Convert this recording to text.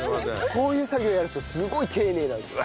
こういう作業やらせるとすごい丁寧なんですよ。